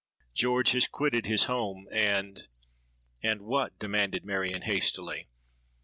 George has quitted his home, and——.'—And what?' demanded Marion hastily.